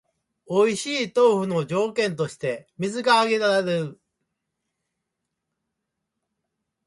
おいしい豆腐の条件として水が挙げられる